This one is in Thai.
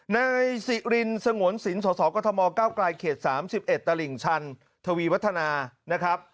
ในสิรินสสสกกไกรเขต๓๑ตลิ่งชันทวีวัฒนานะครับ